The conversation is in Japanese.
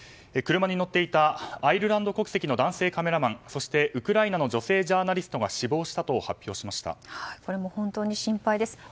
車に乗っていたアイルランド国籍の男性カメラマンそして、ウクライナの女性ジャーナリストが死亡したとこれも本当に心配です。